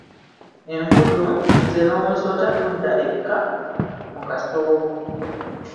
Enfudu, Nze n'omusota tudda ekka mu kasoobo.